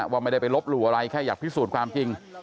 ว่าไม่ได้ไปลบหลู่อะไรแค่อยากพิสูจน์ความจริง